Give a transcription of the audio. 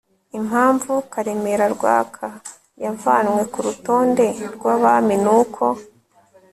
impamvu karemera rwaka yavanywe ku rutonde rw'abami ni uko